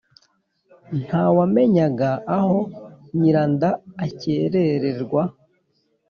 ntawamenyaga aho nyiranda akerererwa.